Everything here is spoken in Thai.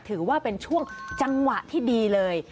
ถือว่าเป็นช่วงจังหวะที่ดีเลย